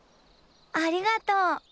ありがとう。